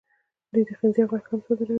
دوی د خنزیر غوښه هم صادروي.